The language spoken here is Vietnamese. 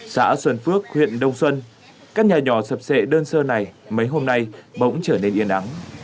xã xuân phước huyện đông xuân các nhà nhỏ sập sệ đơn sơ này mấy hôm nay bỗng trở nên yên nắng